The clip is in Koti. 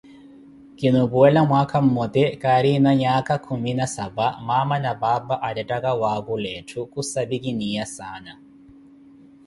Kinuupuwela mwaakha mmoote kirina nyakha khumi na saapa maama na paapa arettaka wakhula etthu kusabi kiniya saana.